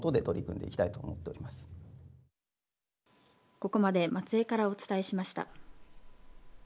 ここまで松江からお伝えしました。